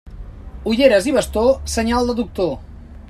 Ulleres i bastó, senyal de doctor.